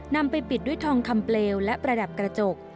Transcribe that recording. นำไปปิดด้วยทองคำเปลวและประดับกระจก